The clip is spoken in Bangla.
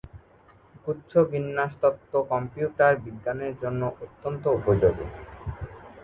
গুচ্ছ-বিন্যাসতত্ত্ব কম্পিউটার বিজ্ঞানের জন্য অত্যন্ত উপযোগী।